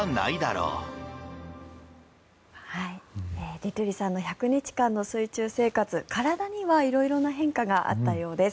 ディトゥリさんの１００日間の水中生活体には色々な変化があったようです。